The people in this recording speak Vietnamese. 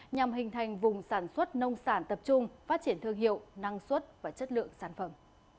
nhằm hình thành vùng sản xuất nông sản tập trung phát triển thương hiệu năng suất và chất lượng sản phẩm